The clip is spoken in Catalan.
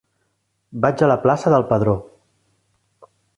Vaig a la plaça del Pedró.